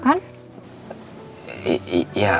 aku perut kamu kayak gini gak apa apa kan